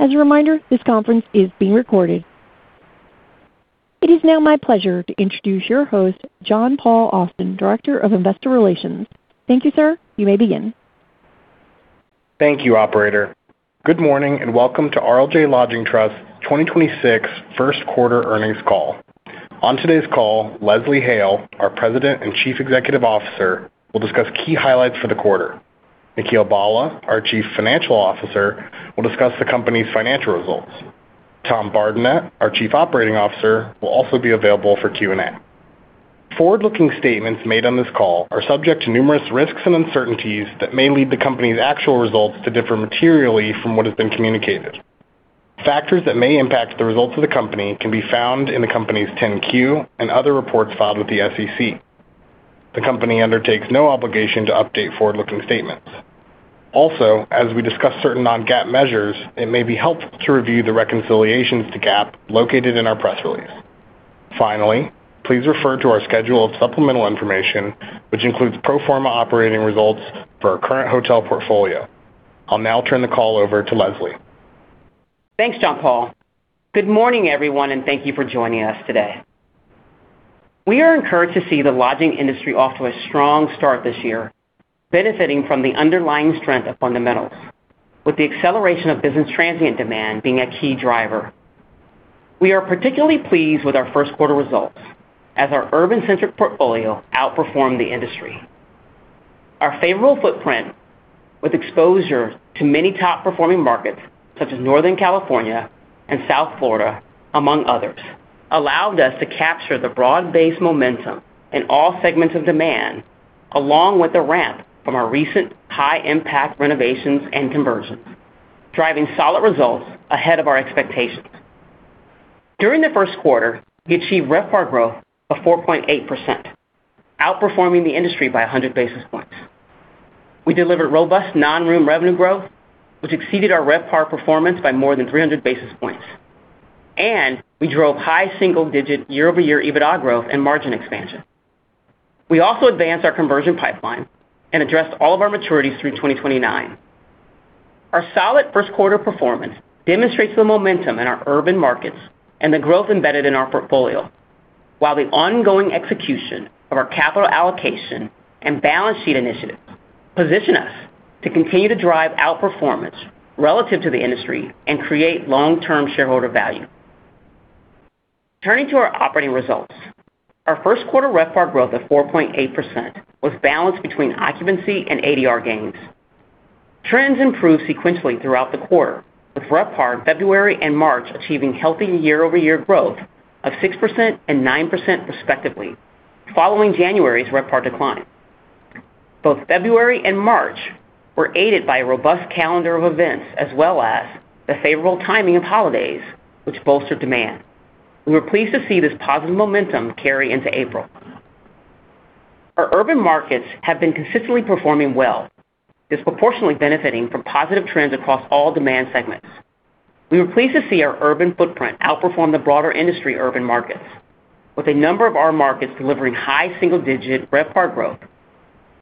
As a reminder, this conference is being recorded. It is now my pleasure to introduce your host, John Paul Austin, Director of Investor Relations. Thank you, sir. You may begin. Thank you, operator. Good morning, welcome to RLJ Lodging Trust 2026 first quarter earnings call. On today's call, Leslie Hale, our President and Chief Executive Officer, will discuss key highlights for the quarter. Nikhil Bhalla, our Chief Financial Officer, will discuss the company's financial results. Tom Bardenett, our Chief Operating Officer, will also be available for Q&A. Forward-looking statements made on this call are subject to numerous risks and uncertainties that may lead the company's actual results to differ materially from what has been communicated. Factors that may impact the results of the company can be found in the company's 10-Q and other reports filed with the SEC. The company undertakes no obligation to update forward-looking statements. As we discuss certain non-GAAP measures, it may be helpful to review the reconciliations to GAAP located in our press release. Finally, please refer to our schedule of supplemental information, which includes pro forma operating results for our current hotel portfolio. I'll now turn the call over to Leslie. Thanks, John Paul. Good morning, everyone, thank you for joining us today. We are encouraged to see the lodging industry off to a strong start this year, benefiting from the underlying strength of fundamentals, with the acceleration of business transient demand being a key driver. We are particularly pleased with our first quarter results as our urban-centric portfolio outperformed the industry. Our favorable footprint with exposure to many top-performing markets, such as Northern California and South Florida, among others, allowed us to capture the broad-based momentum in all segments of demand, along with the ramp from our recent high-impact renovations and conversions, driving solid results ahead of our expectations. During the first quarter, we achieved RevPAR growth of 4.8%, outperforming the industry by 100 basis points. We delivered robust non-room revenue growth, which exceeded our RevPAR performance by more than 300 basis points. We drove high single-digit year-over-year EBITDA growth and margin expansion. We also advanced our conversion pipeline and addressed all of our maturities through 2029. Our solid first quarter performance demonstrates the momentum in our urban markets and the growth embedded in our portfolio, while the ongoing execution of our capital allocation and balance sheet initiative position us to continue to drive outperformance relative to the industry and create long-term shareholder value. Turning to our operating results. Our first quarter RevPAR growth of 4.8% was balanced between occupancy and ADR gains. Trends improved sequentially throughout the quarter, with RevPAR in February and March achieving healthy year-over-year growth of 6% and 9% respectively, following January's RevPAR decline. Both February and March were aided by a robust calendar of events as well as the favorable timing of holidays, which bolstered demand. We were pleased to see this positive momentum carry into April. Our urban markets have been consistently performing well, disproportionately benefiting from positive trends across all demand segments. We were pleased to see our urban footprint outperform the broader industry urban markets, with a number of our markets delivering high single-digit RevPAR growth.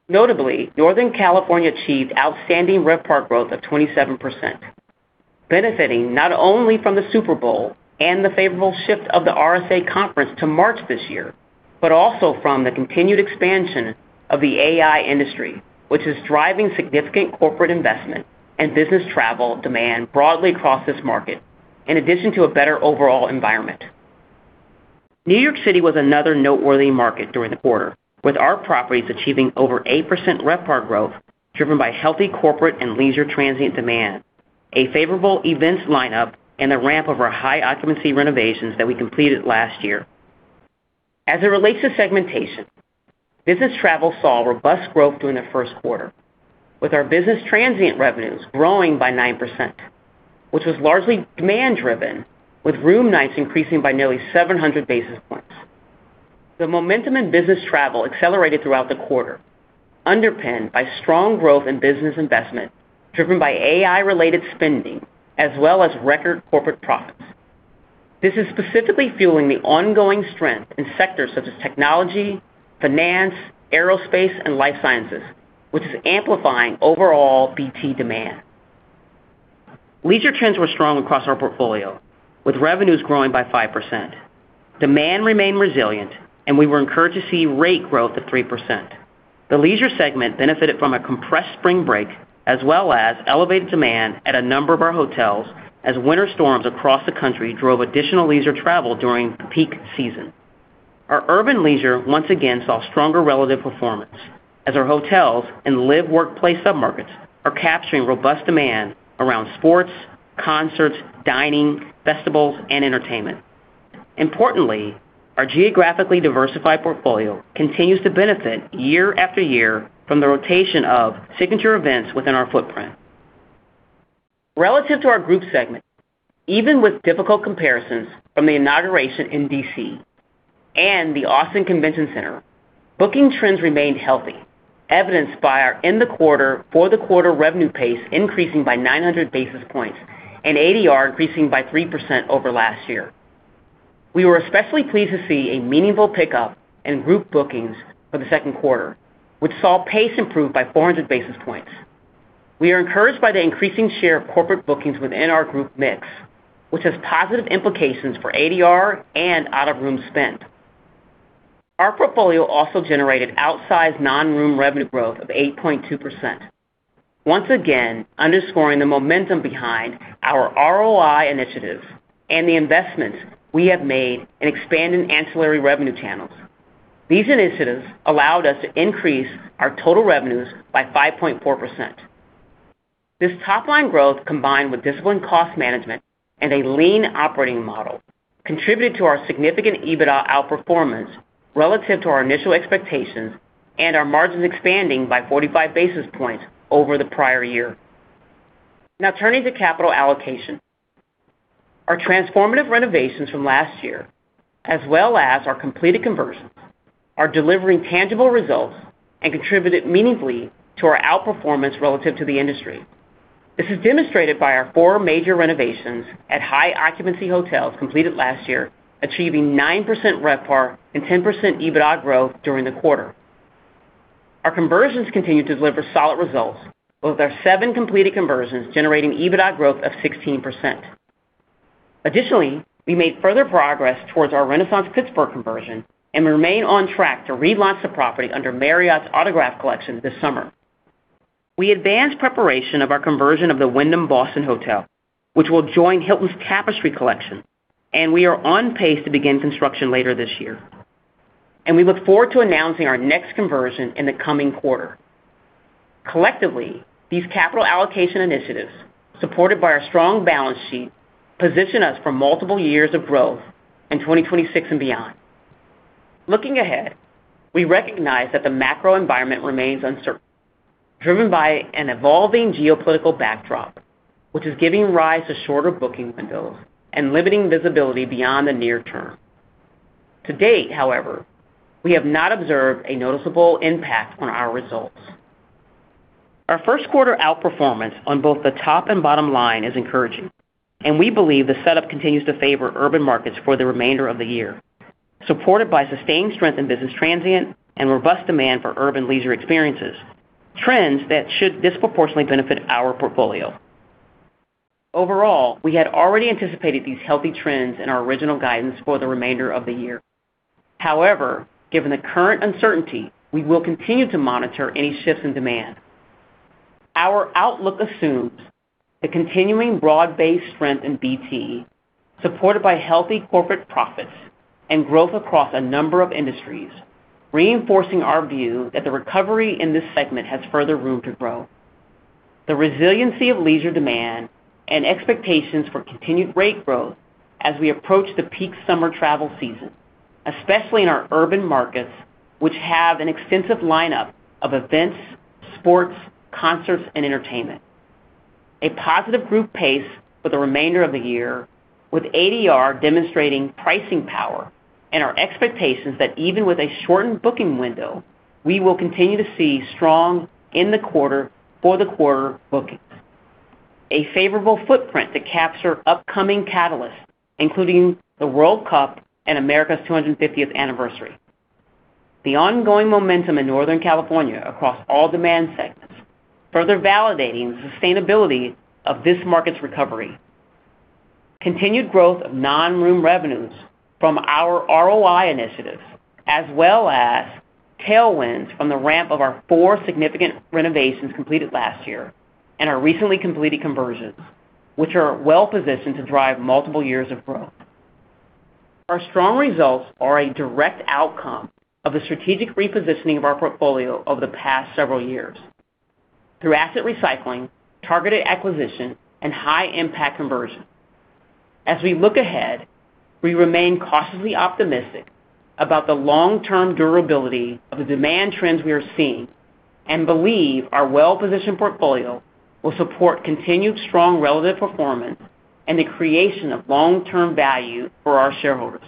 Notably, Northern California achieved outstanding RevPAR growth of 27%, benefiting not only from the Super Bowl and the favorable shift of the RSA Conference to March this year, but also from the continued expansion of the AI industry, which is driving significant corporate investment and business travel demand broadly across this market, in addition to a better overall environment. New York City was another noteworthy market during the quarter, with our properties achieving over 8% RevPAR growth, driven by healthy corporate and leisure transient demand, a favorable events lineup, and the ramp of our high occupancy renovations that we completed last year. As it relates to segmentation, business travel saw robust growth during the first quarter, with our business transient revenues growing by 9%, which was largely demand-driven, with room nights increasing by nearly 700 basis points. The momentum in business travel accelerated throughout the quarter, underpinned by strong growth in business investment, driven by AI-related spending as well as record corporate profits. This is specifically fueling the ongoing strength in sectors such as technology, finance, aerospace, and life sciences, which is amplifying overall BT demand. Leisure trends were strong across our portfolio, with revenues growing by 5%. Demand remained resilient, and we were encouraged to see rate growth of 3%. The leisure segment benefited from a compressed spring break as well as elevated demand at a number of our hotels as winter storms across the country drove additional leisure travel during peak season. Our urban leisure once again saw stronger relative performance as our hotels and live-workplace submarkets are capturing robust demand around sports, concerts, dining, festivals, and entertainment. Importantly, our geographically diversified portfolio continues to benefit year-after-year from the rotation of signature events within our footprint. Relative to our group segment, even with difficult comparisons from the inauguration in D.C. and the Austin Convention Center, booking trends remained healthy, evidenced by our end-of-quarter, fourth-of-quarter revenue pace increasing by 900 basis points and ADR increasing by 3% over last year. We were especially pleased to see a meaningful pickup in group bookings for the second quarter, which saw pace improve by 400 basis points. We are encouraged by the increasing share of corporate bookings within our group mix, which has positive implications for ADR and out-of-room spend. Our portfolio also generated outsized non-room revenue growth of 8.2%. Once again, underscoring the momentum behind our ROI initiatives and the investment we have made in expanding ancillary revenue channels. These initiatives allowed us to increase our total revenues by 5.4%. This top-line growth, combined with disciplined cost management and a lean operating model, contributed to our significant EBITDA outperformance relative to our initial expectations and our margins expanding by 45 basis points over the prior year. Now turning to capital allocation. Our transformative renovations from last year, as well as our completed conversions, are delivering tangible results and contributed meaningfully to our outperformance relative to the industry. This is demonstrated by our four major renovations at high occupancy hotels completed last year, achieving 9% RevPAR and 10% EBITDA growth during the quarter. Our conversions continue to deliver solid results, with our seven completed conversions generating EBITDA growth of 16%. Additionally, we made further progress towards our Renaissance Pittsburgh Hotel conversion and remain on track to relaunch the property under Marriott's Autograph Collection this summer. We advanced preparation of our conversion of the Wyndham Boston Hotel, which will join Hilton's Tapestry Collection, and we are on pace to begin construction later this year. We look forward to announcing our next conversion in the coming quarter. Collectively, these capital allocation initiatives, supported by our strong balance sheet, position us for multiple years of growth in 2026 and beyond. Looking ahead, we recognize that the macro environment remains uncertain, driven by an evolving geopolitical backdrop, which is giving rise to shorter booking windows and limiting visibility beyond the near term. To date, however, we have not observed a noticeable impact on our results. Our first quarter outperformance on both the top and bottom line is encouraging, and we believe the setup continues to favor urban markets for the remainder of the year, supported by sustained strength in BT and robust demand for urban leisure experiences, trends that should disproportionately benefit our portfolio. Overall, we had already anticipated these healthy trends in our original guidance for the remainder of the year. However, given the current uncertainty, we will continue to monitor any shifts in demand. Our outlook assumes the continuing broad-based strength in BT, supported by healthy corporate profits and growth across a number of industries, reinforcing our view that the recovery in this segment has further room to grow. The resiliency of leisure demand and expectations for continued rate growth as we approach the peak summer travel season, especially in our urban markets, which have an extensive lineup of events, sports, concerts, and entertainment. A positive group pace for the remainder of the year, with ADR demonstrating pricing power and our expectations that even with a shortened booking window, we will continue to see strong for the quarter bookings. A favorable footprint to capture upcoming catalysts, including the World Cup and America's 250th Anniversary. The ongoing momentum in Northern California across all demand segments, further validating the sustainability of this market's recovery. Continued growth of non-room revenues from our ROI initiatives, as well as tailwinds from the ramp of our four significant renovations completed last year and our recently completed conversions, which are well-positioned to drive multiple years of growth. Our strong results are a direct outcome of the strategic repositioning of our portfolio over the past several years through asset recycling, targeted acquisition, and high impact conversion. As we look ahead, we remain cautiously optimistic about the long-term durability of the demand trends we are seeing and believe our well-positioned portfolio will support continued strong relative performance and the creation of long-term value for our shareholders.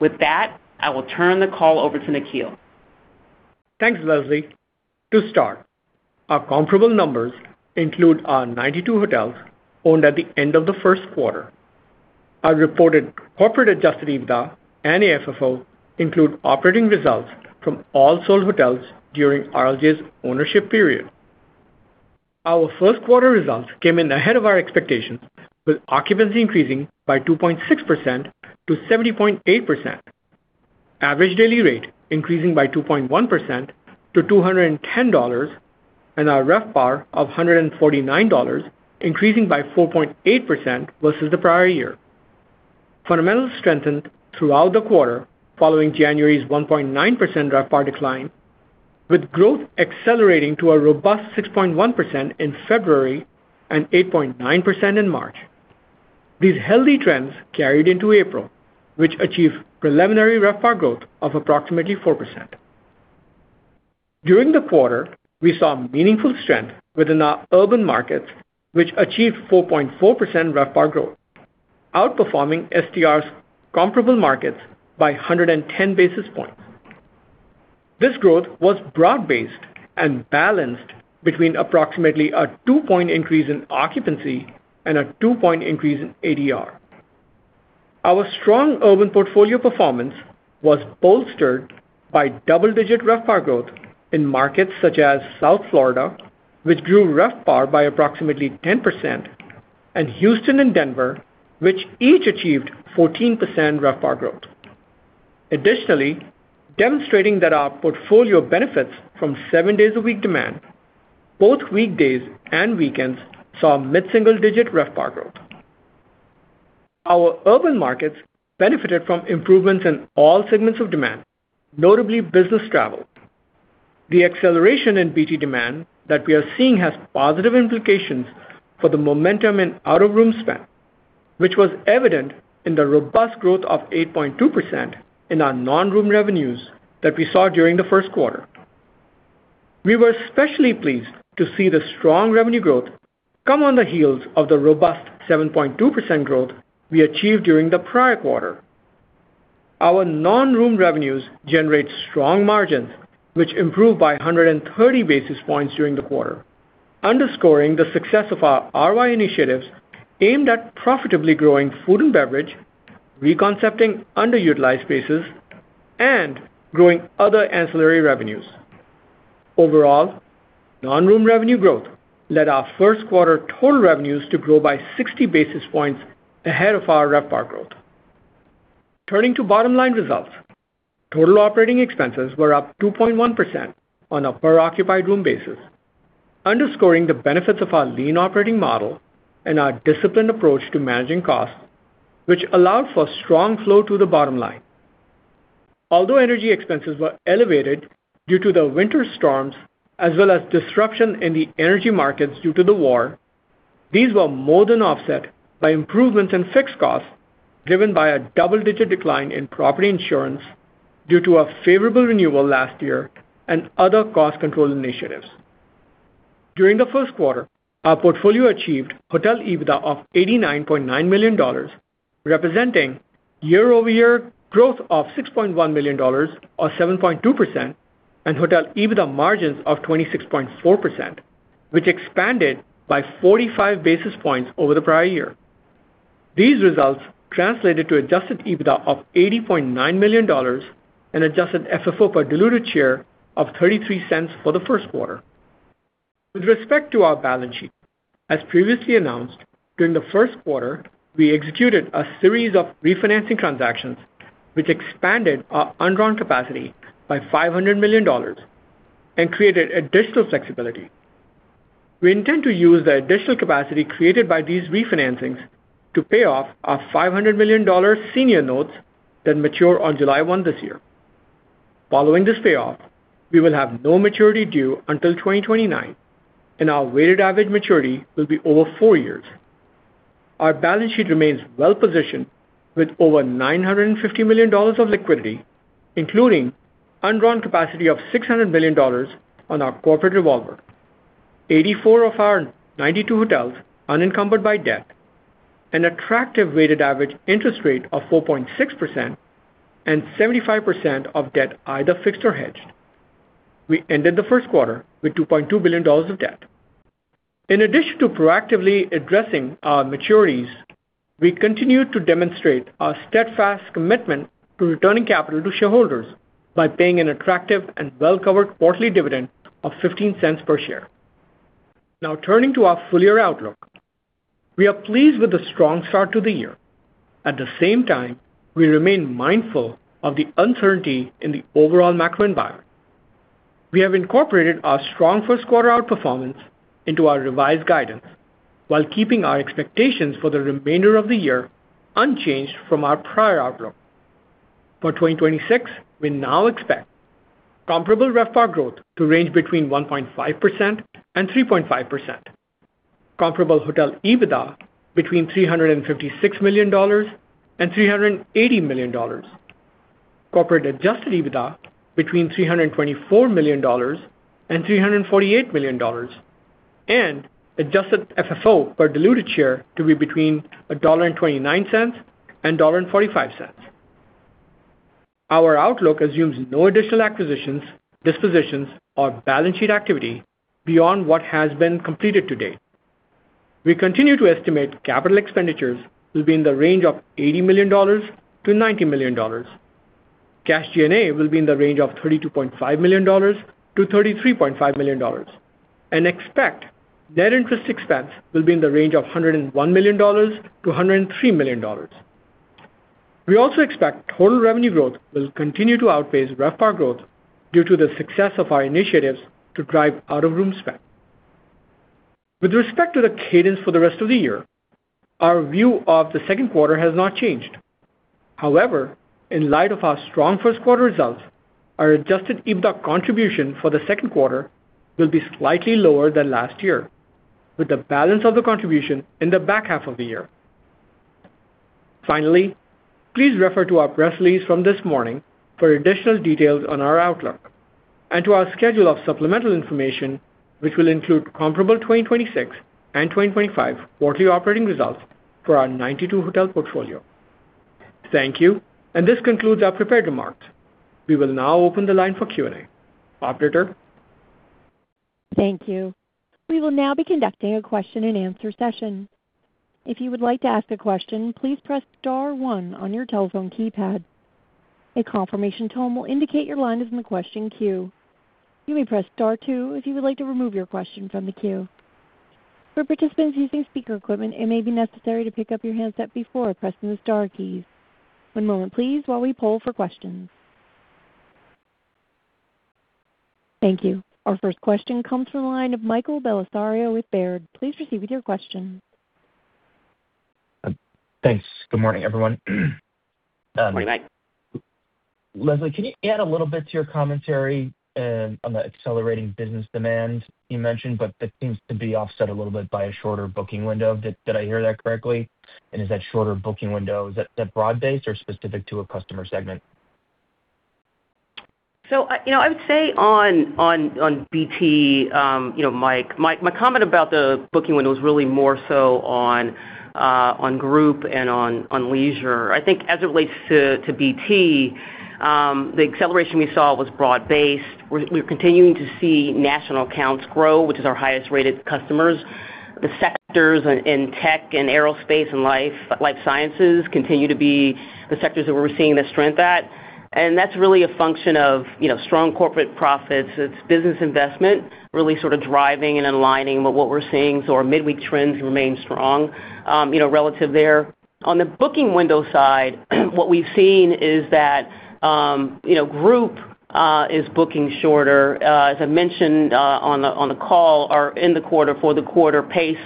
With that, I will turn the call over to Nikhil. Thanks, Leslie. To start, our comparable numbers include our 92 hotels owned at the end of the first quarter. Our reported corporate adjusted EBITDA and AFFO include operating results from all sold hotels during RLJ's ownership period. Our first quarter results came in ahead of our expectations, with occupancy increasing by 2.6%-70.8%. Average daily rate increasing by 2.1% to $210 and our RevPAR of $149 increasing by 4.8% versus the prior year. Fundamentals strengthened throughout the quarter following January's 1.9% RevPAR decline, with growth accelerating to a robust 6.1% in February and 8.9% in March. These healthy trends carried into April, which achieved preliminary RevPAR growth of approximately 4%. During the quarter, we saw meaningful strength within our urban markets, which achieved 4.4% RevPAR growth, outperforming STR's comparable markets by 110 basis points. This growth was broad based and balanced between approximately a 2-point increase in occupancy and a 2-point increase in ADR. Our strong urban portfolio performance was bolstered by double-digit RevPAR growth in markets such as South Florida, which grew RevPAR by approximately 10%, and Houston and Denver, which each achieved 14% RevPAR growth. Additionally, demonstrating that our portfolio benefits from seven-days a week demand, both weekdays and weekends saw mid-single-digit RevPAR growth. Our urban markets benefited from improvements in all segments of demand, notably business travel. The acceleration in BT demand that we are seeing has positive implications for the momentum in out-of-room spend, which was evident in the robust growth of 8.2% in our non-room revenues that we saw during the first quarter. We were especially pleased to see the strong revenue growth come on the heels of the robust 7.2% growth we achieved during the prior quarter. Our non-room revenues generate strong margins, which improved by 130 basis points during the quarter, underscoring the success of our ROI initiatives aimed at profitably growing food and beverage, reconcepting underutilized spaces, and growing other ancillary revenues. Overall, non-room revenue growth led our first quarter total revenues to grow by 60 basis points ahead of our RevPAR growth. Turning to bottom-line results. Total operating expenses were up 2.1% on a per occupied room basis, underscoring the benefits of our lean operating model and our disciplined approach to managing costs, which allowed for strong flow to the bottom line. Although energy expenses were elevated due to the winter storms as well as disruption in the energy markets due to the war, these were more than offset by improvements in fixed costs driven by a double-digit decline in property insurance due to a favorable renewal last year and other cost control initiatives. During the first quarter, our portfolio achieved hotel EBITDA of $89.9 million, representing year-over-year growth of $6.1 million or 7.2% and hotel EBITDA margins of 26.4%, which expanded by 45 basis points over the prior year. These results translated to adjusted EBITDA of $80.9 million and adjusted FFO per diluted share of $0.33 for the first quarter. With respect to our balance sheet, as previously announced, during the first quarter, we executed a series of refinancing transactions which expanded our undrawn capacity by $500 million and created additional flexibility. We intend to use the additional capacity created by these refinancings to pay off our $500 million senior notes that mature on July 1 this year. Following this payoff, we will have no maturity due until 2029, and our weighted average maturity will be over four years. Our balance sheet remains well positioned with over $950 million of liquidity, including undrawn capacity of $600 million on our corporate revolver, 84 of our 92 hotels unencumbered by debt, an attractive weighted average interest rate of 4.6% and 75% of debt either fixed or hedged. We ended the first quarter with $2.2 billion of debt. In addition to proactively addressing our maturities, we continued to demonstrate our steadfast commitment to returning capital to shareholders by paying an attractive and well-covered quarterly dividend of $0.15 per share. Now turning to our full year outlook. We are pleased with the strong start to the year. At the same time, we remain mindful of the uncertainty in the overall macro environment. We have incorporated our strong first quarter outperformance into our revised guidance while keeping our expectations for the remainder of the year unchanged from our prior outlook. For 2026, we now expect comparable RevPAR growth to range between 1.5% and 3.5%. Comparable hotel EBITDA between $356 million and $380 million. Corporate adjusted EBITDA between $324 million and $348 million, and adjusted FFO per diluted share to be between $1.29 and $1.45. Our outlook assumes no additional acquisitions, dispositions or balance sheet activity beyond what has been completed to date. We continue to estimate capital expenditures will be in the range of $80 million-$90 million. Cash G&A will be in the range of $32.5 million-$33.5 million and expect net interest expense will be in the range of $101 million-$103 million. We also expect total revenue growth will continue to outpace RevPAR growth due to the success of our initiatives to drive out-of-room spend. With respect to the cadence for the rest of the year, our view of the second quarter has not changed. In light of our strong first quarter results, our adjusted EBITDA contribution for the second quarter will be slightly lower than last year, with the balance of the contribution in the back half of the year. Finally, please refer to our press release from this morning for additional details on our outlook and to our schedule of supplemental information, which will include comparable 2026 and 2025 quarterly operating results for our 92 hotel portfolio. Thank you, and this concludes our prepared remarks. We will now open the line for Q&A. Operator? Thank you. We will now be conducting a question-and-answer session. If you would like to ask a question, please press star one on your telephone keypad. A confirmation tone will indicate your line is in the question queue. You may press star two if you would like to remove your question from the queue. For participants using speaker equipment, it may be necessary to pick up your handset before pressing the star keys. One moment please while we poll for questions. Thank you. Our first question comes from the line of Michael Bellisario with Baird. Please proceed with your question. Thanks. Good morning, everyone. Good morning, Mike. Leslie, can you add a little bit to your commentary on the accelerating business demand you mentioned, but that seems to be offset a little bit by a shorter booking window. Did I hear that correctly? Is that shorter booking window, is that broad-based or specific to a customer segment? I, you know, I would say on BT, you know, my comment about the booking window is really more so on group and on leisure. I think as it relates to BT, the acceleration we saw was broad-based. We're continuing to see national accounts grow, which is our highest rated customers. The sectors in tech and aerospace and life sciences continue to be the sectors that we're seeing the strength at, and that's really a function of, you know, strong corporate profits. It's business investment really sort of driving and aligning what we're seeing. Our midweek trends remain strong, you know, relative there. On the booking window side, what we've seen is that, you know, group is booking shorter. As I mentioned, on the, on the call or in the quarter for the quarter pace,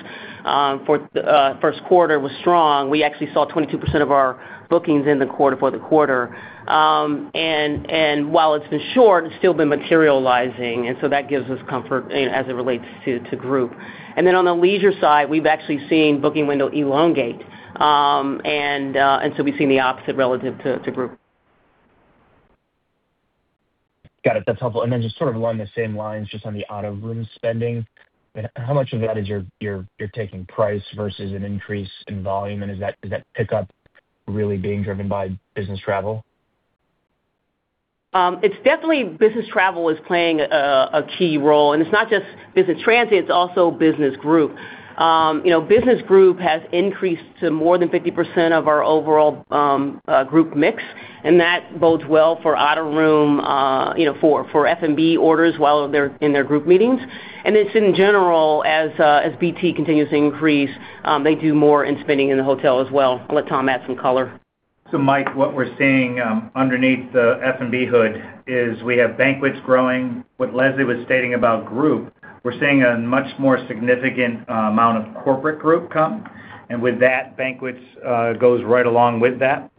first quarter was strong. We actually saw 22% of our bookings in the quarter for the quarter. While it's been short, it's still been materializing, and so that gives us comfort in as it relates to group. On the leisure side, we've actually seen booking window elongate. We've seen the opposite relative to group. Got it. That's helpful. Just sort of along the same lines, just on the out-of-room spending, how much of that is your taking price versus an increase in volume? Is that pickup really being driven by business travel? It's definitely business travel is playing a key role, and it's not just business transient, it's also business group. You know, business group has increased to more than 50% of our overall group mix, and that bodes well for out-of-room, you know, for F&B orders while they're in their group meetings. It's in general as BT continues to increase, they do more in spending in the hotel as well. I'll let Tom add some color. Mike, what we're seeing underneath the F&B hood is we have banquets growing. What Leslie was stating about group, we're seeing a much more significant amount of corporate group come, and with that, banquets goes right along with that.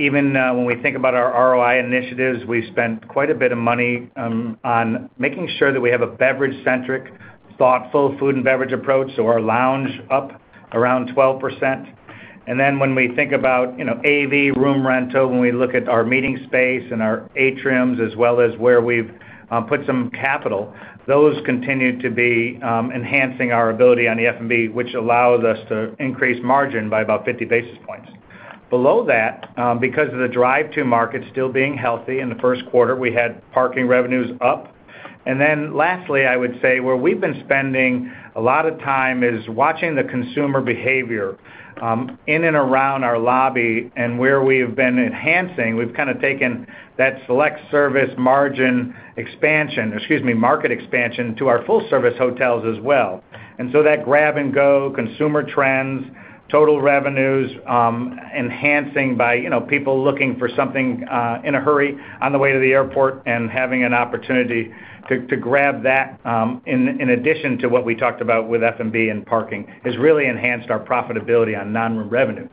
Even, when we think about our ROI initiatives, we spent quite a bit of money on making sure that we have a beverage-centric, thoughtful food and beverage approach. Our lounge up around 12%. When we think about, you know, AV, room rental, when we look at our meeting space and our atriums, as well as where we've put some capital, those continue to be enhancing our ability on the F&B, which allows us to increase margin by about 50 basis points. Below that, because of the drive to market still being healthy, in the first quarter, we had parking revenues up. Lastly, I would say where we've been spending a lot of time is watching the consumer behavior in and around our lobby and where we have been enhancing. We've kind of taken that select service margin expansion, excuse me, market expansion to our full-service hotels as well. That grab and go consumer trends, total revenues, enhancing by, you know, people looking for something in a hurry on the way to the airport and having an opportunity to grab that, in addition to what we talked about with F&B and parking, has really enhanced our profitability on non-room revenue.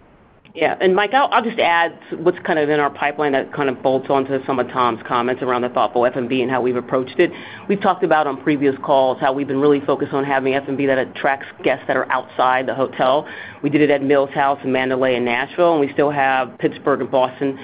Yeah. Michael, I'll just add what's kind of in our pipeline that kind of bolts onto some of Tom's comments around the thoughtful F&B and how we've approached it. We've talked about on previous calls how we've been really focused on having F&B that attracts guests that are outside the hotel. We did it at Mills House in Mandalay and Nashville, we still have Pittsburgh and Boston,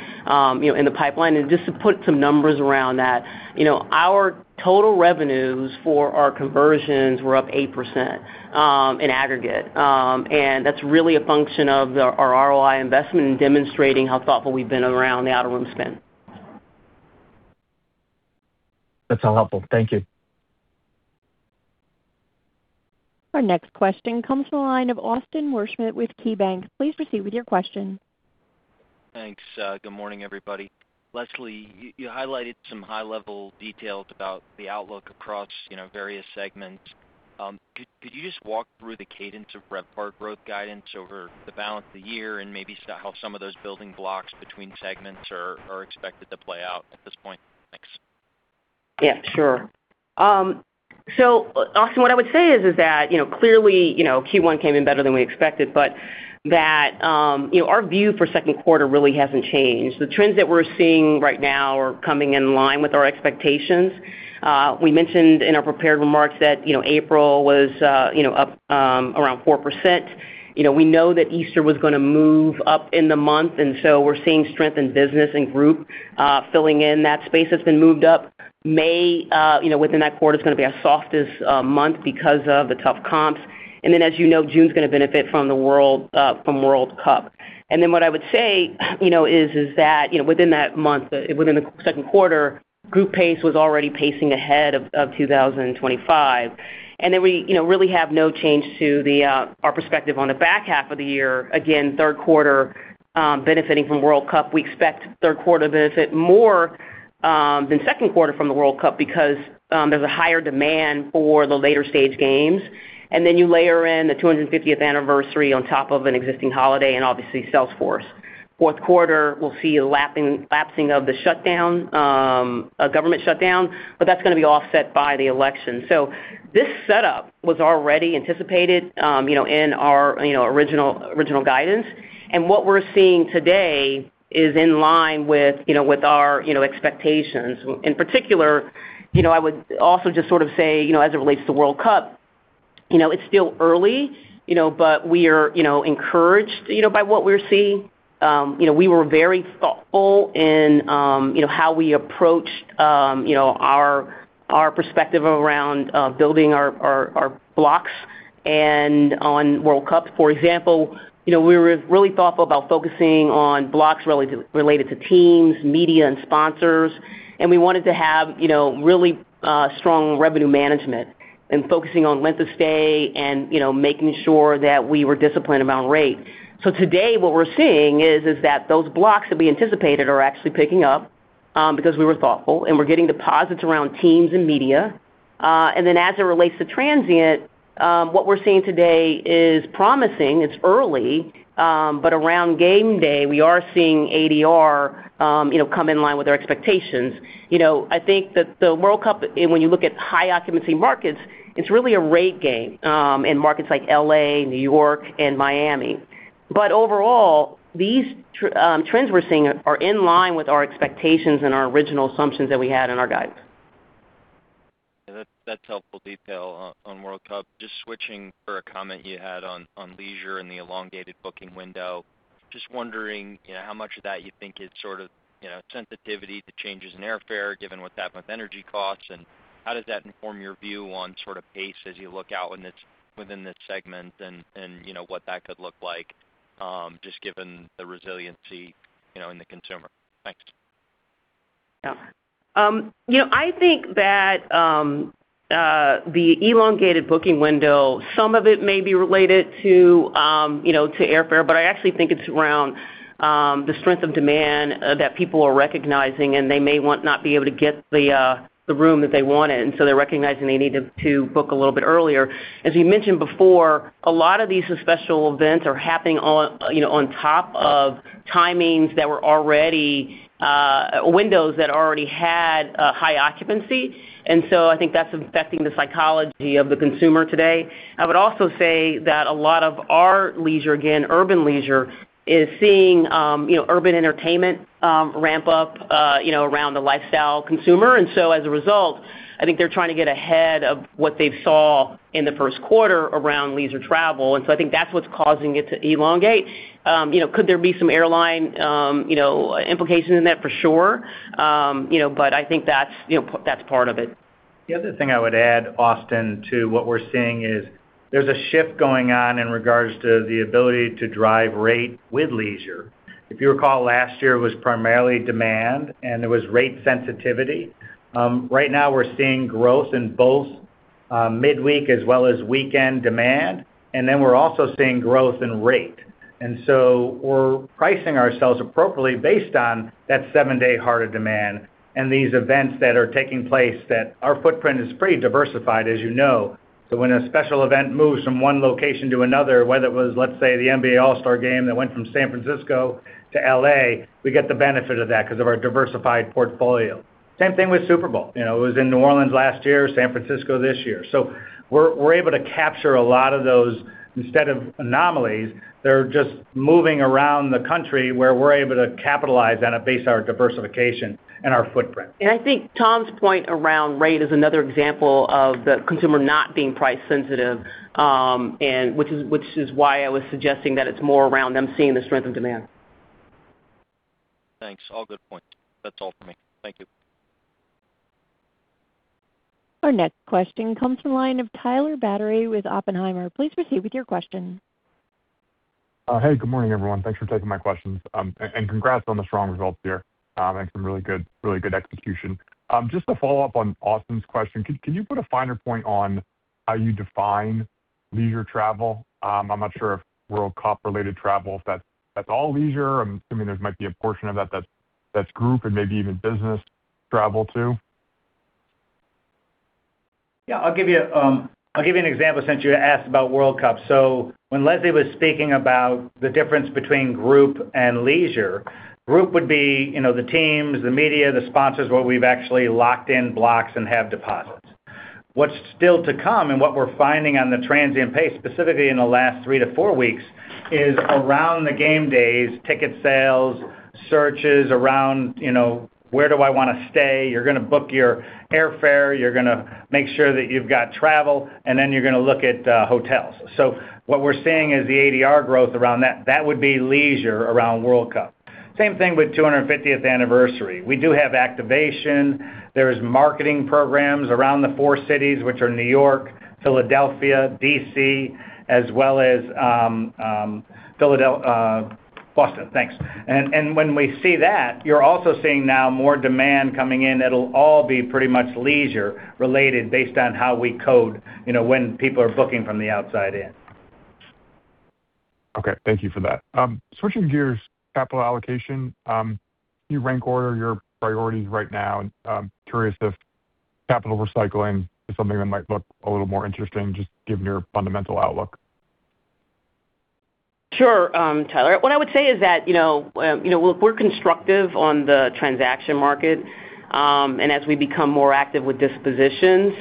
you know, in the pipeline. Just to put some numbers around that, you know, our total revenues for our conversions were up 8%, in aggregate. That's really a function of our ROI investment in demonstrating how thoughtful we've been around the out-of-room spend. That's all helpful. Thank you. Our next question comes from the line of Austin Wurschmidt with KeyBanc. Please proceed with your question. Thanks. Good morning, everybody. Leslie, you highlighted some high-level details about the outlook across, you know, various segments. Could you just walk through the cadence of RevPAR growth guidance over the balance of the year and maybe how some of those building blocks between segments are expected to play out at this point? Thanks. Yeah, sure. So Austin, what I would say is that, you know, clearly, you know, Q1 came in better than we expected, but that, you know, our view for second quarter really hasn't changed. The trends that we're seeing right now are coming in line with our expectations. We mentioned in our prepared remarks that, you know, April was, you know, up around 4%. You know, we know that Easter was going to move up in the month, and so we're seeing strength in business and group filling in that space that's been moved up. May, you know, within that quarter, it's going to be our softest month because of the tough comps. As you know, June's going to benefit from the World Cup. What I would say, within that month, within the second quarter, group pace was already pacing ahead of 2025. We really have no change to our perspective on the back half of the year. Again, third quarter, benefiting from World Cup. We expect third quarter to benefit more than second quarter from the World Cup because there's a higher demand for the later stage games. You layer in the 250th Anniversary on top of an existing holiday and obviously Salesforce. Fourth quarter, we'll see a lapsing of the shutdown, a government shutdown, that's going to be offset by the election. This setup was already anticipated in our original guidance. What we're seeing today is in line with, you know, with our, you know, expectations. In particular, you know, I would also just sort of say, you know, as it relates to World Cup, you know, it's still early, you know, but we are, you know, encouraged, you know, by what we're seeing. You know, we were very thoughtful in, you know, how we approached, you know, our perspective around, building our, our blocks and on World Cup. For example, you know, we were really thoughtful about focusing on blocks related to teams, media, and sponsors. We wanted to have, you know, really strong revenue management and focusing on length of stay and, you know, making sure that we were disciplined around rate. Today, what we're seeing is that those blocks that we anticipated are actually picking up, because we were thoughtful, and we're getting deposits around teams and media. As it relates to transient, what we're seeing today is promising. It's early, but around game day, we are seeing ADR, you know, come in line with our expectations. You know, I think that the World Cup, and when you look at high occupancy markets, it's really a rate game, in markets like L.A., New York, and Miami. Overall, these trends we're seeing are in line with our expectations and our original assumptions that we had in our guidance. Yeah, that's helpful detail on World Cup. Just switching for a comment you had on leisure and the elongated booking window. Just wondering, you know, how much of that you think is sort of, you know, sensitivity to changes in airfare given what's happened with energy costs, and how does that inform your view on sort of pace as you look out when it's within this segment and, you know, what that could look like, just given the resiliency, you know, in the consumer? Thanks. You know, I think that the elongated booking window, some of it may be related to, you know, to airfare, but I actually think it's around the strength of demand that people are recognizing, and they may not be able to get the room that they wanted, so they're recognizing they need to book a little bit earlier. As we mentioned before, a lot of these special events are happening on top of timings that were already windows that already had high occupancy. I think that's affecting the psychology of the consumer today. I would also say that a lot of our leisure, again, urban leisure, is seeing, you know, urban entertainment ramp up, you know, around the lifestyle consumer. As a result, I think they're trying to get ahead of what they saw in the first quarter around leisure travel. I think that's what's causing it to elongate. You know, could there be some airline, you know, implications in that? For sure. You know, but I think that's, you know, that's part of it. The other thing I would add, Austin, to what we're seeing is there's a shift going on in regards to the ability to drive rate with leisure. If you recall, last year was primarily demand, and there was rate sensitivity. Right now we're seeing growth in both midweek as well as weekend demand, then we're also seeing growth in rate. We're pricing ourselves appropriately based on that seven-day heart of demand and these events that are taking place that our footprint is pretty diversified, as you know. When a special event moves from one location to another, whether it was, let's say, the NBA All-Star Game that went from San Francisco to L.A., we get the benefit of that because of our diversified portfolio. Same thing with Super Bowl. You know, it was in New Orleans last year, San Francisco this year. We're able to capture a lot of those instead of anomalies. They're just moving around the country, where we're able to capitalize on it based on our diversification and our footprint. I think Tom's point around rate is another example of the consumer not being price sensitive, which is why I was suggesting that it's more around them seeing the strength of demand. Thanks. All good points. That's all for me. Thank you. Our next question comes from the line of Tyler Batory with Oppenheimer. Please proceed with your question. Hey, good morning, everyone. Thanks for taking my questions. Congrats on the strong results here. Some really good execution. Just to follow up on Austin's question, can you put a finer point on how you define leisure travel? I'm not sure if World Cup-related travel, if that's all leisure. I'm assuming there might be a portion of that that's group and maybe even business travel too. Yeah. I'll give you, I'll give you an example since you asked about World Cup. When Leslie was speaking about the difference between group and leisure, group would be, you know, the teams, the media, the sponsors, where we've actually locked in blocks and have deposits. What's still to come and what we're finding on the transient pace, specifically in the last three to four weeks, is around the game days, ticket sales, searches around, you know, where do I want to stay? You're going to book your airfare, you're going to make sure that you've got travel, and then you're going to look at hotels. What we're seeing is the ADR growth around that. That would be leisure around World Cup. Same thing with 250th Anniversary. We do have activation. There's marketing programs around the four cities, which are New York, Philadelphia, D.C., as well as Boston. Thanks. When we see that, you're also seeing now more demand coming in. It'll all be pretty much leisure related based on how we code, you know, when people are booking from the outside in. Okay. Thank you for that. Switching gears, capital allocation. Can you rank order your priorities right now? Curious if capital recycling is something that might look a little more interesting just given your fundamental outlook. Sure. Tyler Batory, what I would say is that, you know, you know, look, we're constructive on the transaction market. As we become more active with dispositions,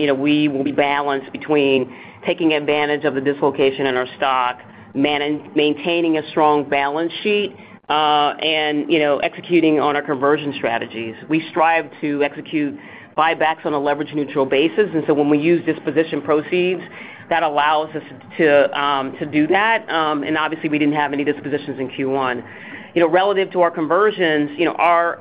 you know, we will be balanced between taking advantage of the dislocation in our stock, maintaining a strong balance sheet, and, you know, executing on our conversion strategies. We strive to execute buybacks on a leverage-neutral basis. When we use disposition proceeds, that allows us to do that. Obviously, we didn't have any dispositions in Q1. You know, relative to our conversions, you know, our,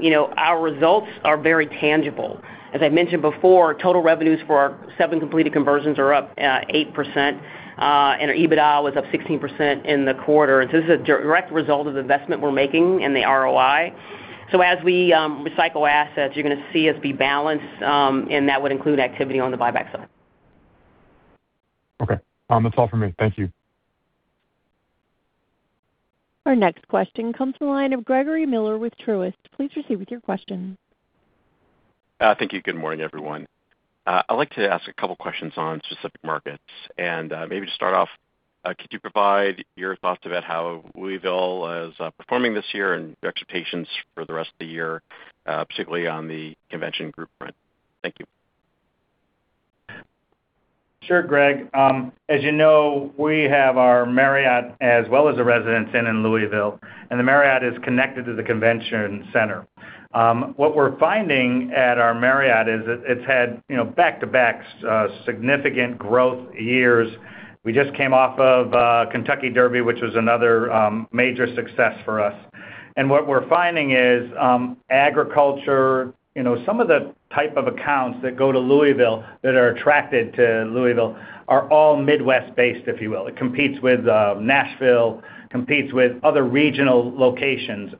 you know, our results are very tangible. As I mentioned before, total revenues for our seven completed conversions are up 8%, and our EBITDA was up 16% in the quarter. This is a direct result of investment we're making in the ROI. As we recycle assets, you're going to see us be balanced, and that would include activity on the buyback side. Okay. That's all for me. Thank you. Our next question comes from the line of Gregory Miller with Truist. Please proceed with your question. Thank you. Good morning, everyone. I'd like to ask a couple questions on specific markets. Maybe to start off, could you provide your thoughts about how Louisville is performing this year and your expectations for the rest of the year, particularly on the convention group front? Thank you. Sure, Greg. As you know, we have our Marriott as well as a Residence Inn in Louisville, and the Marriott is connected to the convention center. What we're finding at our Marriott is it's had, you know, back-to-back, significant growth years. We just came off of Kentucky Derby, which was another major success for us. What we're finding is agriculture, you know, some of the type of accounts that go to Louisville, that are attracted to Louisville are all Midwest-based, if you will. It competes with Nashville, competes with other regional locations.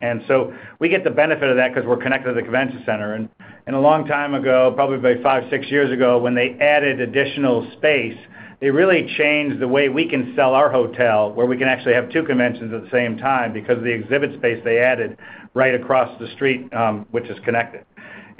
We get the benefit of that because we're connected to the convention center. A long time ago, probably about five, six years ago, when they added additional space, it really changed the way we can sell our hotel, where we can actually have two conventions at the same time because of the exhibit space they added right across the street, which is connected.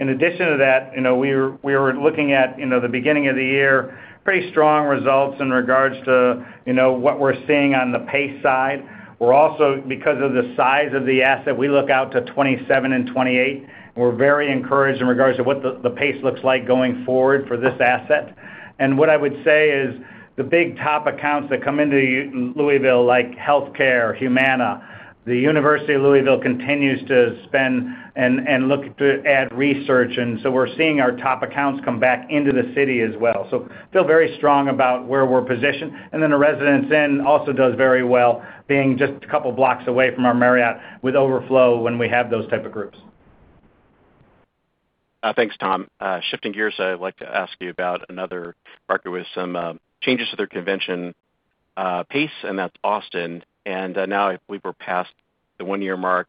In addition to that, you know, we were looking at, you know, the beginning of the year, pretty strong results in regards to, you know, what we're seeing on the pace side. We're also, because of the size of the asset, we look out to 2027 and 2028, and we're very encouraged in regards to what the pace looks like going forward for this asset. What I would say is the big top accounts that come into Louisville, like healthcare, Humana, the University of Louisville continues to spend and look to add research, and so we're seeing our top accounts come back into the city as well. Feel very strong about where we're positioned. The Residence Inn also does very well, being just a couple blocks away from our Marriott with overflow when we have those type of groups. Thanks, Tom. Shifting gears, I'd like to ask you about another market with some changes to their convention pace, and that's Austin. Now I believe we're past the one-year mark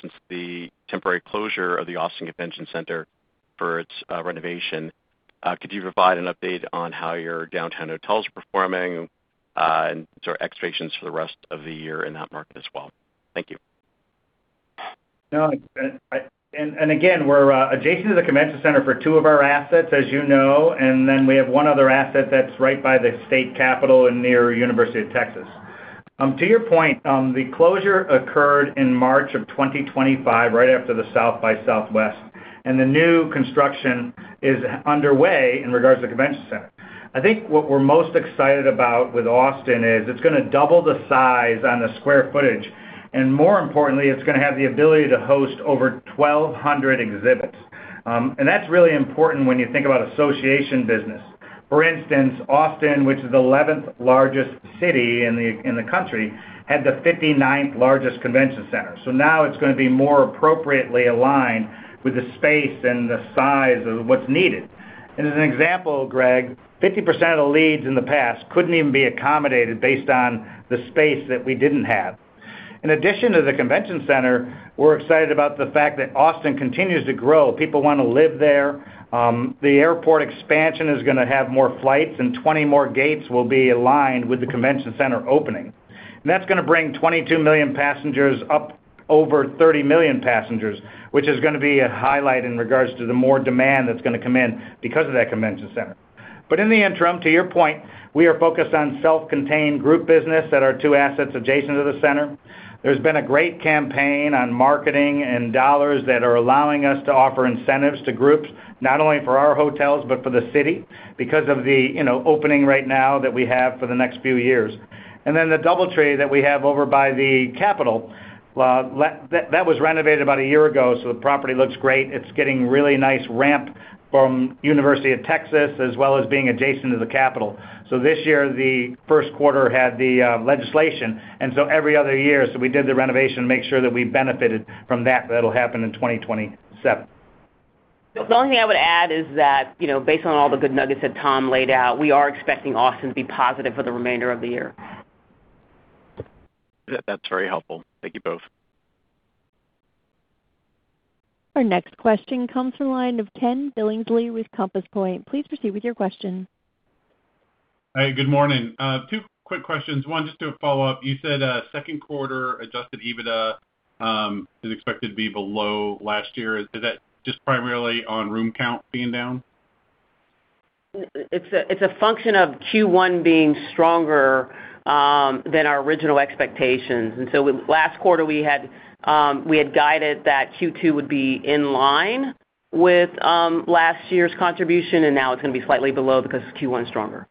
since the temporary closure of the Austin Convention Center for its renovation. Could you provide an update on how your downtown hotels are performing, and sort of expectations for the rest of the year in that market as well? Thank you. No, I. Again, we're adjacent to the convention center for two of our assets, as you know, and then we have one other asset that's right by the state capitol and near University of Texas. To your point, the closure occurred in March of 2025, right after the South by Southwest, and the new construction is underway in regards to the convention center. I think what we're most excited about with Austin is it's going to double the size on the square footage, and more importantly, it's going to have the ability to host over 1,200 exhibits. That's really important when you think about association business. For instance, Austin, which is the 11th largest city in the country, had the 59th largest convention center. Now it's going to be more appropriately aligned with the space and the size of what's needed. As an example, Greg, 50% of the leads in the past couldn't even be accommodated based on the space that we didn't have. In addition to the convention center, we're excited about the fact that Austin continues to grow. People want to live there. The airport expansion is going to have more flights, and 20 more gates will be aligned with the convention center opening. That's going to bring 22 million passengers up over 30 million passengers, which is going to be a highlight in regards to the more demand that's going to come in because of that convention center. In the interim, to your point, we are focused on self-contained group business at our two assets adjacent to the center. There's been a great campaign on marketing and dollars that are allowing us to offer incentives to groups, not only for our hotels, but for the city, because of the, you know, opening right now that we have for the next few years. The DoubleTree that we have over by the Capitol that was renovated about a year ago, so the property looks great. It's getting really nice ramp-From University of Texas as well as being adjacent to the Capitol. This year, the first quarter had the legislation, every other year, we did the renovation to make sure that we benefited from that. That'll happen in 2027. The only thing I would add is that, you know, based on all the good nuggets that Tom laid out, we are expecting Austin to be positive for the remainder of the year. That's very helpful. Thank you both. Our next question comes from line of Ken Billingsley with Compass Point. Please proceed with your question. Hi, good morning. Two quick questions. One, just to follow up, you said, second quarter adjusted EBITDA is expected to be below last year. Is that just primarily on room count being down? It's a function of Q1 being stronger than our original expectations. Last quarter we had guided that Q2 would be in line with last year's contribution, now it's going to be slightly below because Q1 is stronger.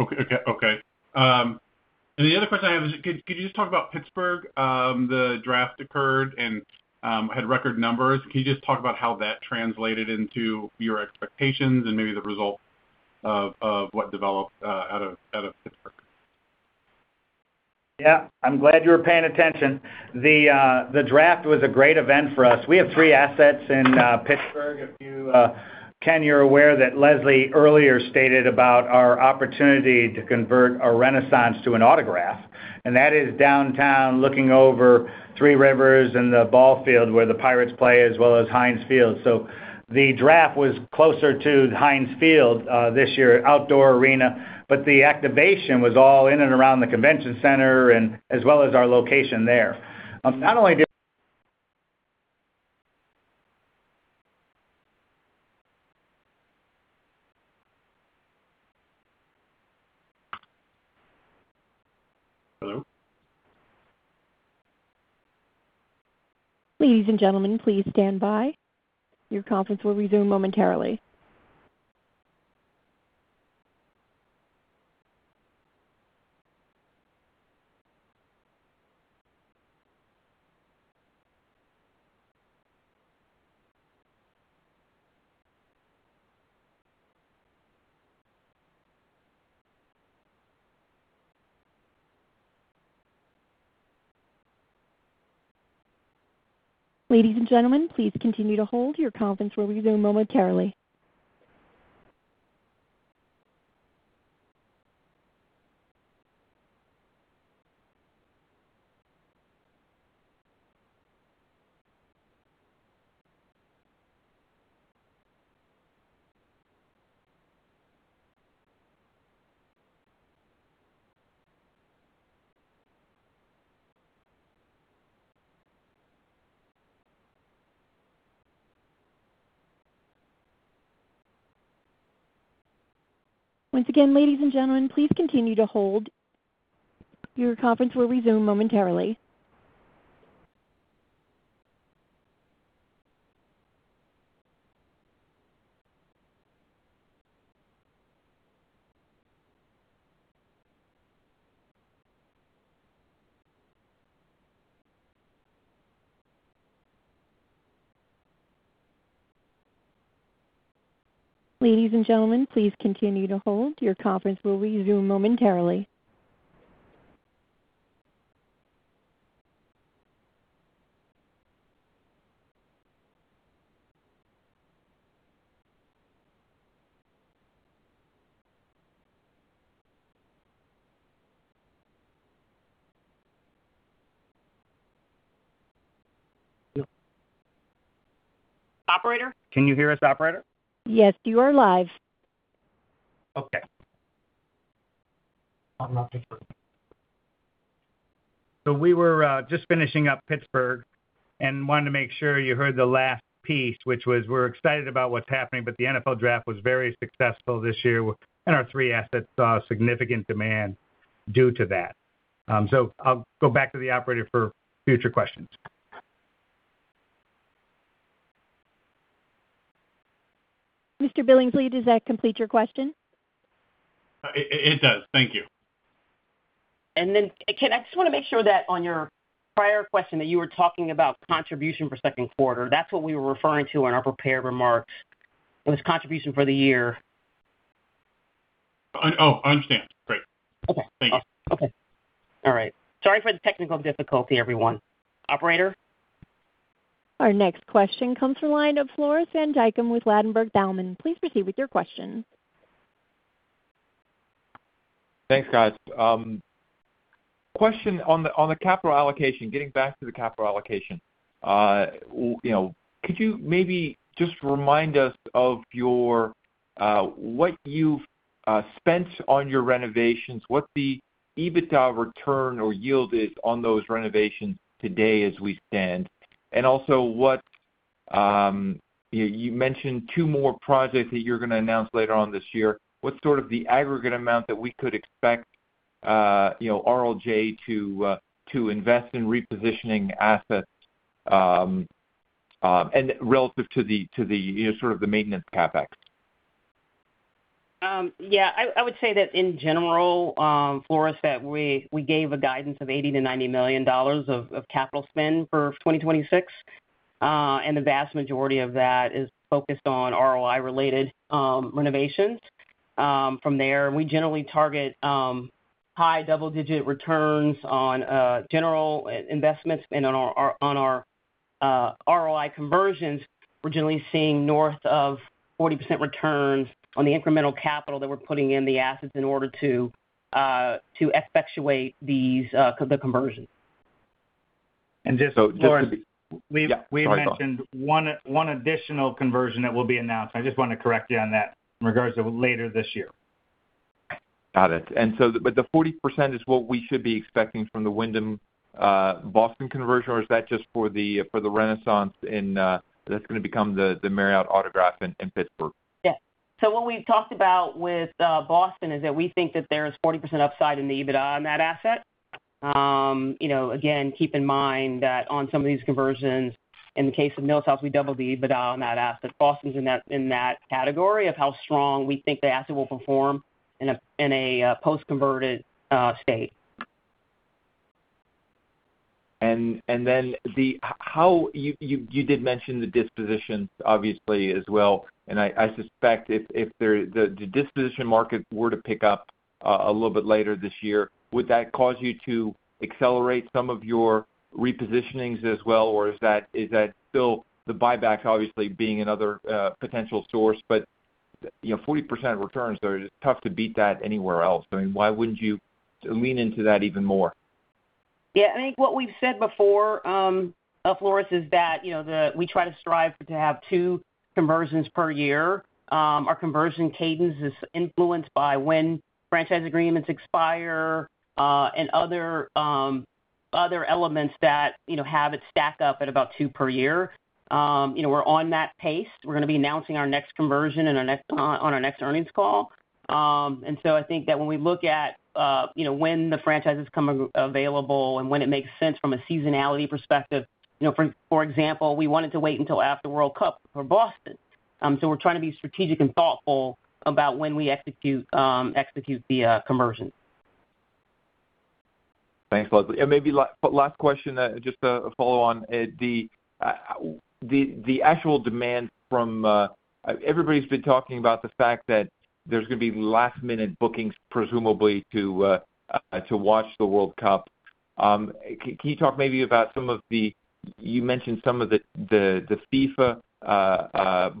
Okay. The other question I have is, could you just talk about Pittsburgh? The Draft occurred and had record numbers. Can you just talk about how that translated into your expectations and maybe the result of what developed out of Pittsburgh? Yeah. I'm glad you were paying attention. The draft was a great event for us. We have three assets in Pittsburgh. If you, Ken, you're aware that Leslie earlier stated about our opportunity to convert a Renaissance to an Autograph, and that is downtown looking over three rivers and the ball field where the Pirates play, as well as Heinz Field. The draft was closer to Heinz Field this year, outdoor arena. The activation was all in and around the convention center and as well as our location there. Hello? Ladies and gentlemen, please stand by. Your conference will resume momentarily. Ladies and gentlemen, please continue to hold. Your conference will resume momentarily. Once again, ladies and gentlemen, please continue to hold. Your conference will resume momentarily. Ladies and gentlemen, please continue to hold. Your conference will resume momentarily. Operator? Can you hear us, operator? Yes, you are live. We were just finishing up Pittsburgh and wanted to make sure you heard the last piece, which was we're excited about what's happening, but the NFL draft was very successful this year, and our three assets saw significant demand due to that. I'll go back to the operator for future questions. Mr. Billingsley, does that complete your question? It does. Thank you. Ken, I just want to make sure that on your prior question that you were talking about contribution for second quarter, that's what we were referring to in our prepared remarks, was contribution for the year. Oh, I understand. Great. Okay. Thank you. Okay. All right. Sorry for the technical difficulty, everyone. Operator? Our next question comes from line of Floris van Dijkum with Ladenburg Thalmann. Please proceed with your question. Thanks, guys. Question on the capital allocation, getting back to the capital allocation. You know, could you maybe just remind us of your what you've spent on your renovations, what the EBITDA return or yield is on those renovations today as we stand? Also what, you mentioned two more projects that you're going to announce later on this year. What's sort of the aggregate amount that we could expect, you know, RLJ to invest in repositioning assets, and relative to the, you know, sort of the maintenance CapEx? Floris, we gave a guidance of $80 millionand $90 million of capital spend for 2026. The vast majority of that is focused on ROI related renovations. From there, we generally target high double-digit returns on general investments. On our ROI conversions, we're generally seeing north of 40% returns on the incremental capital that we're putting in the assets in order to effectuate these conversions. And just- So just to be- Floris. Yeah. Sorry, Tom. We've mentioned one additional conversion that will be announced. I just wanted to correct you on that in regards to later this year. Got it. But the 40% is what we should be expecting from the Wyndham Boston conversion, or is that just for the Renaissance in that's going to become the Marriott Autograph in Pittsburgh? Yeah. What we've talked about with Boston is that we think that there is 40% upside in the EBITDA on that asset. You know, again, keep in mind that on some of these conversions, in the case of Mills House, we doubled the EBITDA on that asset. Boston's in that category of how strong we think the asset will perform in a post-converted state. You did mention the dispositions obviously as well, and I suspect if there the disposition market were to pick up a little bit later this year, would that cause you to accelerate some of your repositionings as well, or is that, is that still the buyback obviously being another potential source? You know, 40% returns though, it is tough to beat that anywhere else. I mean, why wouldn't you lean into that even more? Yeah, I think what we've said before, Floris, is that, you know, we try to strive to have two conversions per year. Our conversion cadence is influenced by when franchise agreements expire, and other other elements that, you know, have it stack up at about two per year. You know, we're on that pace. We're going to be announcing our next conversion on our next earnings call. I think that when we look at, you know, when the franchises become available, and when it makes sense from a seasonality perspective, you know, for example, we wanted to wait until after World Cup for Boston. We're trying to be strategic and thoughtful about when we execute the conversions. Thanks, Leslie. Maybe last question, just to follow on, the actual demand from... Everybody's been talking about the fact that there's going to be last minute bookings presumably to watch the World Cup. Can you talk maybe about some of the... You mentioned some of the FIFA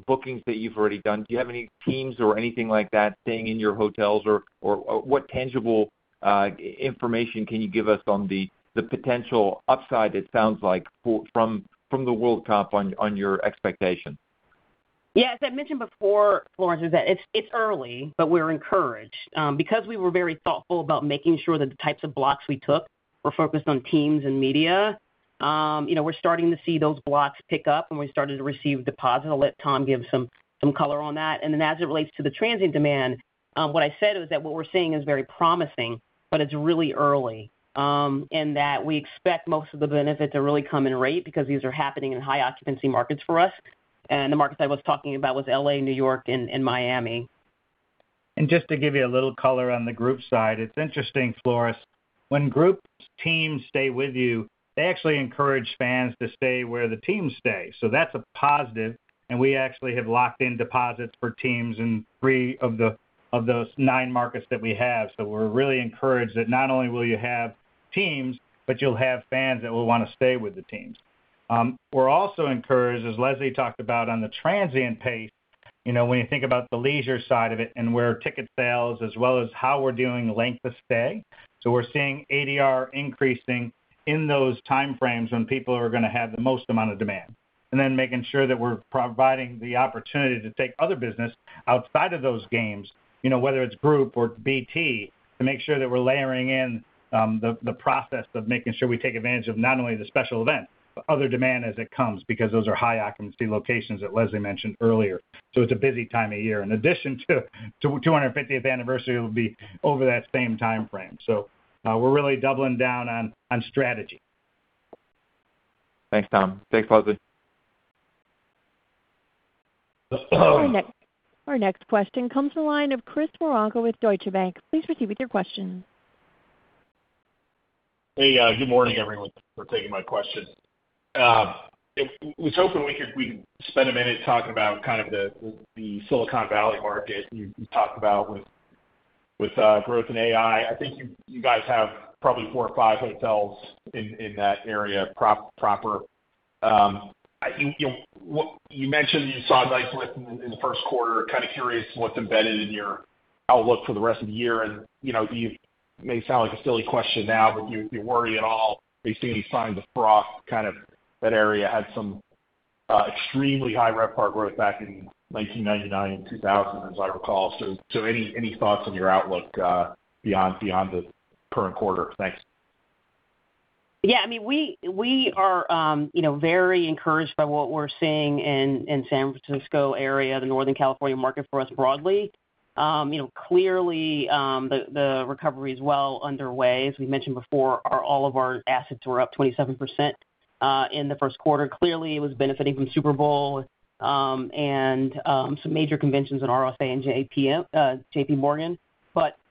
bookings that you've already done. Do you have any teams or anything like that staying in your hotels? Or what tangible information can you give us on the potential upside it sounds like from the World Cup on your expectations? Yeah, as I mentioned before, Floris, it's early, but we're encouraged. We were very thoughtful about making sure that the types of blocks we took were focused on teams and media, you know, we're starting to see those blocks pick up, and we're starting to receive deposits. I'll let Tom give some color on that. As it relates to the transient demand, what I said is that what we're seeing is very promising, but it's really early. In that we expect most of the benefit to really come in rate because these are happening in high occupancy markets for us, and the markets I was talking about was L.A., New York, and Miami. Just to give you a little color on the group side, it's interesting, Floris, when groups, teams stay with you, they actually encourage fans to stay where the teams stay, so that's a positive, we actually have locked in deposits for teams in three of the, of those nine markets that we have. We're really encouraged that not only will you have teams, but you'll have fans that will want to stay with the teams. We're also encouraged, as Leslie talked about, on the transient pace, you know, when you think about the leisure side of it and where ticket sales as well as how we're doing length of stay. We're seeing ADR increasing in those timeframes when people are going to have the most amount of demand, and then making sure that we're providing the opportunity to take other business outside of those games, you know, whether it's group or BT, to make sure that we're layering in the process of making sure we take advantage of not only the special event, but other demand as it comes, because those are high occupancy locations that Leslie mentioned earlier. It's a busy time of year. In addition to 250th Anniversary will be over that same timeframe. We're really doubling down on strategy. Thanks, Tom. Thanks, Leslie. Our next question comes from the line of Chris Woronka with Deutsche Bank. Please proceed with your question. Good morning everyone. Thank you for taking my question. I was hoping we could spend a minute talking about kind of the Silicon Valley market. You talked about with growth in AI. I think you guys have probably four or five hotels in that area proper. You know, you mentioned you saw nice lift in the first quarter. Kind of curious what's embedded in your outlook for the rest of the year? You know, it may sound like a silly question now, but do you worry at all based on any signs of froth, kind of that area had some extremely high RevPAR growth back in 1999 and 2000, as I recall? Any thoughts on your outlook beyond the current quarter? Thanks. Yeah. I mean, we are, you know, very encouraged by what we're seeing in San Francisco area, the Northern California market for us broadly. You know, clearly, the recovery is well underway. As we mentioned before, all of our assets were up 27% in the first quarter, clearly it was benefiting from Super Bowl and some major conventions in RSA and JPMorgan.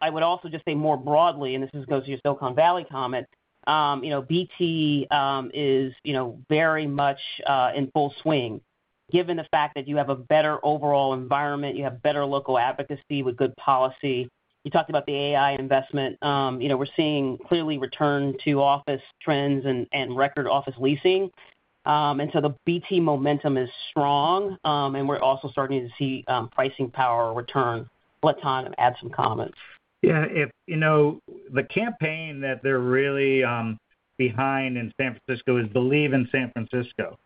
I would also just say more broadly, and this is goes to your Silicon Valley comment, you know, BT is, you know, very much in full swing, given the fact that you have a better overall environment, you have better local advocacy with good policy. You talked about the AI investment. You know, we're seeing clearly return to office trends and record office leasing. The BT momentum is strong, and we're also starting to see pricing power return. Let Tom add some comments. Yeah. If, you know, the campaign that they're really behind in San Francisco is Believe in San Francisco.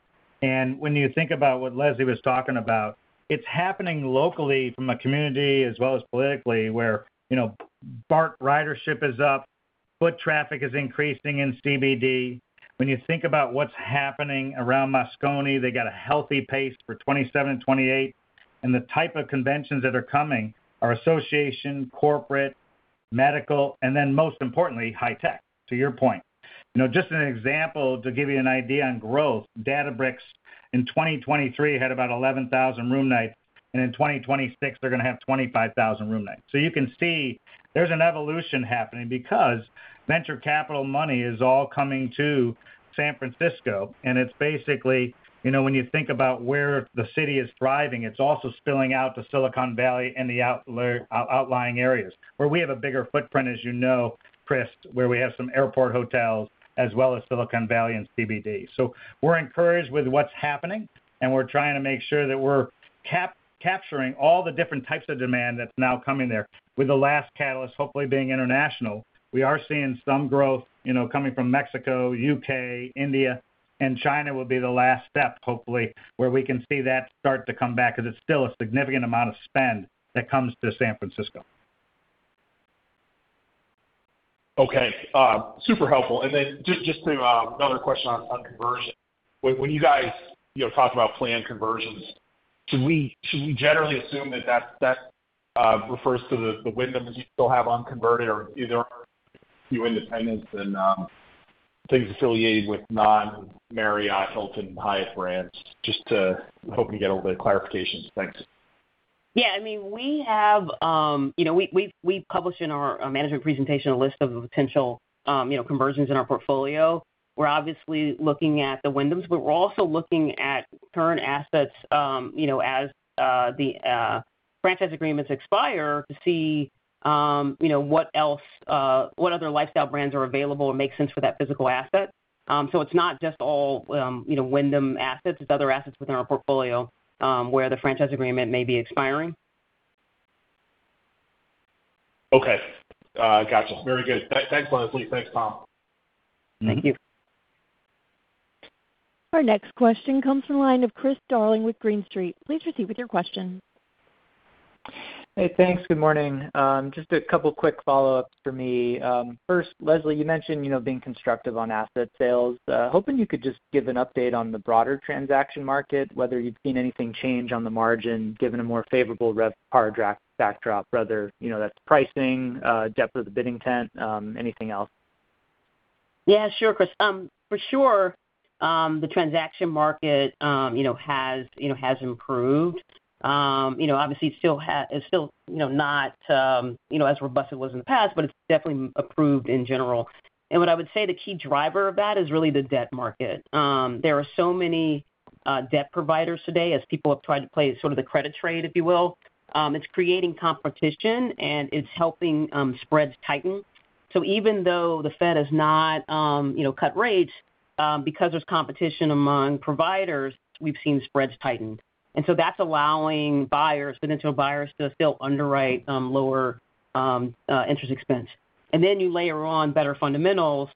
When you think about what Leslie was talking about, it's happening locally from a community as well as politically, where, you know, BART ridership is up, foot traffic is increasing in CBD. When you think about what's happening around Moscone, they got a healthy pace for 2027 and 2028, and the type of conventions that are coming are association, corporate, medical, and then most importantly, high tech, to your point. You know, just an example to give you an idea on growth, Databricks in 2023 had about 11,000 room nights, and in 2026 they're going to have 25,000 room nights. You can see there's an evolution happening because venture capital money is all coming to San Francisco, and it's basically, you know, when you think about where the city is thriving, it's also spilling out to Silicon Valley and the outlying areas, where we have a bigger footprint, as you know, Chris, where we have some airport hotels as well as Silicon Valley and CBD. We're encouraged with what's happening, and we're trying to make sure that we're capturing all the different types of demand that's now coming there, with the last catalyst hopefully being international. We are seeing some growth, you know, coming from Mexico, U.K., India, and China will be the last step, hopefully, where we can see that start to come back, because it's still a significant amount of spend that comes to San Francisco. Okay. Super helpful. Then just to, another question on conversion. When you guys, you know, talk about planned conversions, should we generally assume that that's, that refers to the Wyndham that you still have unconverted or either a few independents and things affiliated with non-Marriott, Hilton, Hyatt brands? Just hoping to get a little bit of clarification. Thanks. Yeah. I mean, we have published in our management presentation a list of the potential conversions in our portfolio. We're obviously looking at the Wyndhams', we're also looking at current assets as the franchise agreements expire to see what else, what other lifestyle brands are available and make sense for that physical asset. It's not just all Wyndham assets. It's other assets within our portfolio where the franchise agreement may be expiring. Okay. Got you. Very good. Thanks, Leslie. Thanks, Tom. Thank you. Our next question comes from the line of Chris Darling with Green Street. Please proceed with your question. Hey, thanks. Good morning. Just a couple quick follow-ups for me. First, Leslie, you mentioned, you know, being constructive on asset sales. Hoping you could just give an update on the broader transaction market, whether you've seen anything change on the margin, given a more favorable RevPAR backdrop, whether, you know, that's pricing, depth of the bidding tent, anything else. Yeah, sure, Chris. For sure, the transaction market has improved. Obviously it's still not as robust as it was in the past, but it's definitely improved in general. What I would say the key driver of that is really the debt market. There are so many debt providers today as people have tried to play sort of the credit trade, if you will. It's creating competition, and it's helping spreads tighten. Even though the Fed has not cut rates, because there's competition among providers, we've seen spreads tighten. That's allowing buyers, potential buyers to still underwrite lower interest expense. You layer on better fundamentals,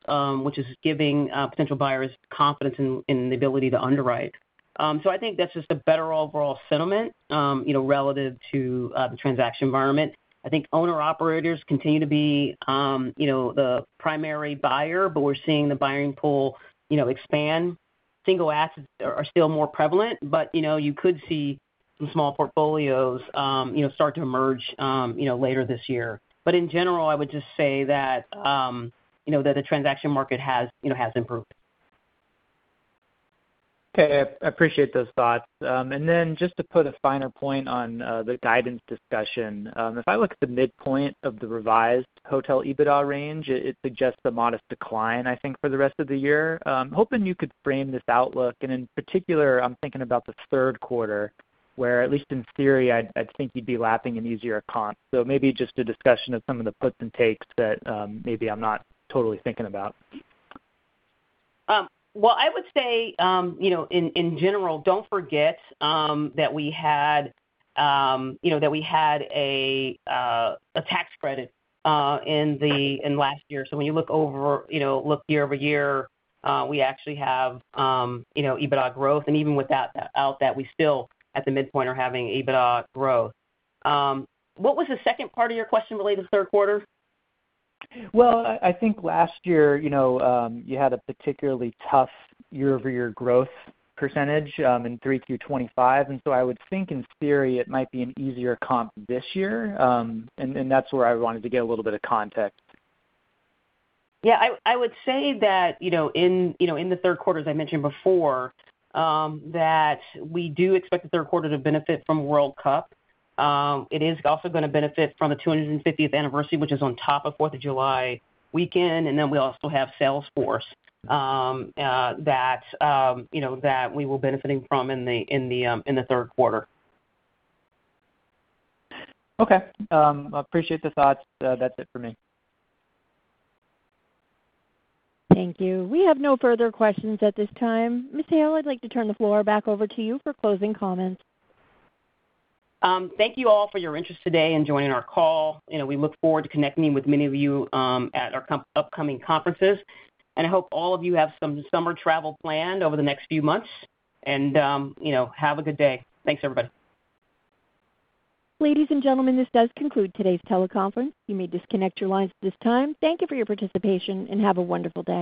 which is giving potential buyers confidence in the ability to underwrite. I think that's just a better overall sentiment, you know, relative to the transaction environment. I think owner-operators continue to be, you know, the primary buyer, but we're seeing the buying pool, you know, expand. Single assets are still more prevalent, but, you know, you could see some small portfolios, you know, start to merge, you know, later this year. In general, I would just say that, you know, the transaction market has improved. Okay. I appreciate those thoughts. Then just to put a finer point on the guidance discussion, if I look at the midpoint of the revised hotel EBITDA range, it suggests a modest decline, I think, for the rest of the year. Hoping you could frame this outlook, and in particular, I'm thinking about the third quarter, where at least in theory, I'd think you'd be lapping an easier comp. Maybe just a discussion of some of the puts and takes that maybe I'm not totally thinking about. Well, I would say, you know, in general, don't forget that we had, you know, that we had a tax credit in last year. When you look over, you know, look year-over-year, we actually have, you know, EBITDA growth. Even without that, we still at the midpoint are having EBITDA growth. What was the second part of your question related to third quarter? Well, I think last year, you know, you had a particularly tough year-over-year growth percentage in 3Q 2025. I would think in theory it might be an easier comp this year. That's where I wanted to get a little bit of context. Yeah. I would say that, in the third quarter, as I mentioned before, that we do expect the third quarter to benefit from World Cup. It is also going to benefit from the 250th Anniversary, which is on top of 4th of July weekend. We also have Salesforce that we will benefiting from in the third quarter. Okay. Appreciate the thoughts. That's it for me. Thank you. We have no further questions at this time. Ms. Hale, I'd like to turn the floor back over to you for closing comments. Thank you all for your interest today in joining our call. You know, we look forward to connecting with many of you at our upcoming conferences. I hope all of you have some summer travel planned over the next few months. You know, have a good day. Thanks, everybody. Ladies and gentlemen, this does conclude today's teleconference. You may disconnect your lines at this time. Thank you for your participation, and have a wonderful day.